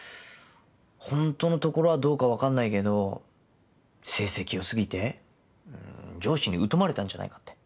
ホントのところはどうか分かんないけど成績良過ぎて上司に疎まれたんじゃないかって。